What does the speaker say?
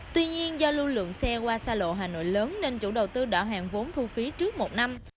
tuy nhiên do lưu lượng xe qua xa lộ hà nội lớn nên chủ đầu tư đo hàng vốn thu phí trước một năm